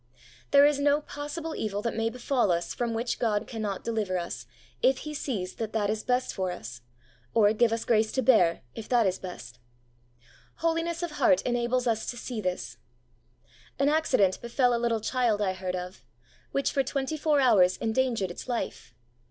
There is no possible evil that may befall us from which God can not deliver us, if He sees that that is best for us, or give us grace to bear, if that is best. Holiness of heart enables us to see this. An accident befell a little child I heard of, which for twenty four hours 74 the way of holiness endangered its life.